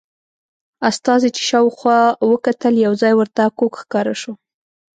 استازي چې شاوخوا وکتل یو ځای ورته کوږ ښکاره شو.